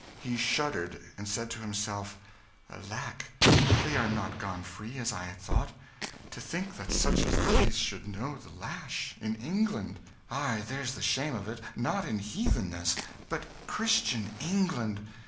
He shuddered, and said to himself, "Alack, they are not gone free, as I had thought. To think that such as these should know the lash! in England! Ay, there's the shame of it not in Heathennesse, Christian England!